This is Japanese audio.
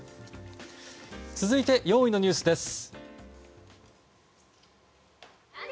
続いて４位のニュースです。